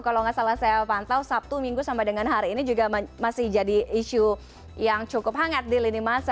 kalau nggak salah saya pantau sabtu minggu sampai dengan hari ini juga masih jadi isu yang cukup hangat di lini masa